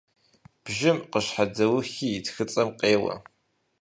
Бжьым къыщхьэдэухи, и тхыцӀэм къеуэ.